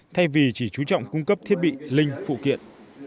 thay vì chỉ chú trọng cung cấp thiết bị linh phụ kiện